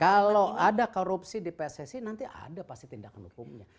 kalau ada korupsi di pssi nanti ada pasti tindakan hukumnya